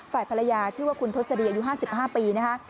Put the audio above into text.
ฝ่ายภรรยาชื่อว่าคุณทศดีอายุ๕๕ปีนะคะ